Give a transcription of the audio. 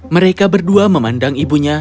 mereka berdua memandang ibunya